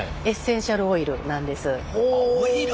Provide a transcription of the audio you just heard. オイル？